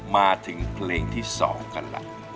มาถึงเพลงที่๒กันล่ะ